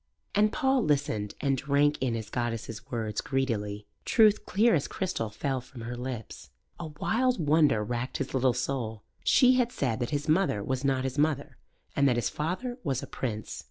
And Paul listened and drank in his goddess's words greedily. Truth clear as crystal fell from her lips. A wild wonder racked his little soul. She had said that his mother was not his mother, and that his father was a prince.